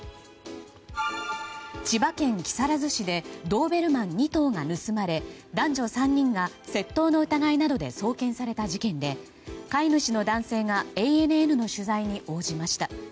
千葉県木更津市でドーベルマン２頭が盗まれ男女３人が窃盗の疑いなどで送検された事件で飼い主の男性がＡＮＮの取材に応じました。